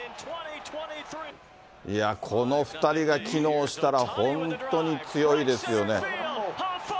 いや、この２人が機能したら、本当に強いですよね。